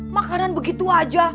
makanan begitu aja